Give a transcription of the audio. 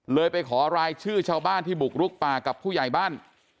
ไปขอรายชื่อชาวบ้านที่บุกลุกป่ากับผู้ใหญ่บ้าน